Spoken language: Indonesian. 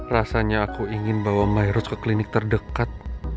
rasanya aku ingin bawa myrus ke klinik terdekat